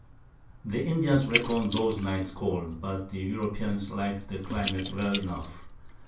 The Indians reckon those Nights cold, but the Europeans like the Climate well enough.